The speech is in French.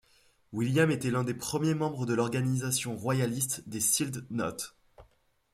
William était l'un des premiers membres de l'organisation royaliste des Sealed Knot.